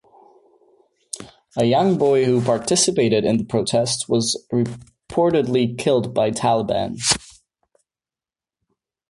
A young boy who participated in the protest was reportedly killed by Taliban.